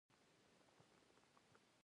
هېواد د استادانو عزت دی.